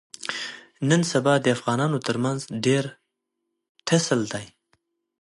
نن سبا د افغانانو ترمنځ ډېر ټسل دی.